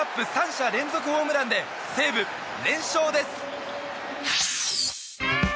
３者連続ホームランで西武、連勝です。